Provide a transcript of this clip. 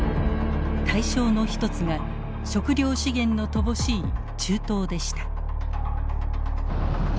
対象の一つが食料資源の乏しい中東でした。